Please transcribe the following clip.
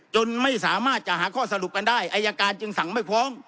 จนไม่สามารถจะหาข้อสรุปกันได้อายการจึงสั่งไม่ฟ้อง